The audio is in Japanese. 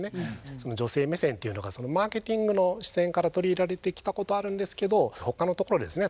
その女性目線っていうのがマーケティングの視点から取り入れられてきたことあるんですけどほかのところですね